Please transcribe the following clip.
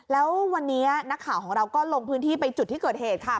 แล้ววันนี้นักข่าวของเราก็ลงพื้นที่ไปจุดที่เกิดเหตุค่ะ